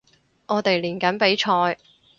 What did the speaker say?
我哋練緊比賽